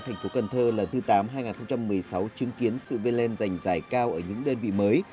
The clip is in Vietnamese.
thành phố cần thơ lần thứ tám năm hai nghìn một mươi sáu chứng kiến sự vây lên dành giải cao ở những đơn vị mới